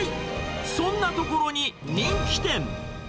そんなトコロに人気店。